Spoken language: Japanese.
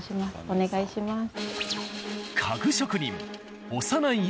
お願いします。